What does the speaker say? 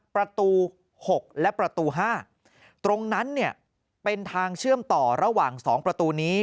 ประตู๖และประตู๕ตรงนั้นเนี่ยเป็นทางเชื่อมต่อระหว่าง๒ประตูนี้